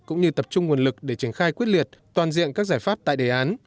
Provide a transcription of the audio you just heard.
cũng như tập trung nguồn lực để triển khai quyết liệt toàn diện các giải pháp tại đề án